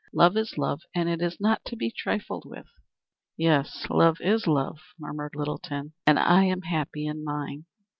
Love is love, and it is not to be trifled with." "Yes, love is love," murmured Littleton, "and I am happy in mine."